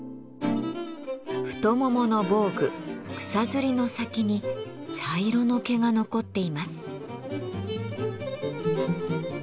太ももの防具草摺の先に茶色の毛が残っています。